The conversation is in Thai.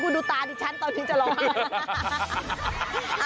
คุณดูตาที่ฉันตอนนี้จะล้อมขาย